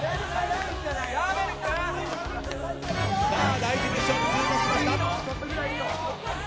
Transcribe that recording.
第１ミッション通過しました。